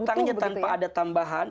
hutangnya tanpa ada tambahan